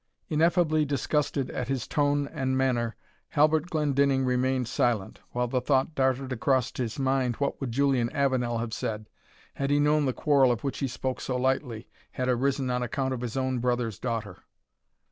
Ineffably disgusted at his tone and manner, Halbert Glendinning remained silent, while the thought darted across his mind, what would Julian Avenel have said, had he known the quarrel of which he spoke so lightly, had arisen on account of his own brother's daughter!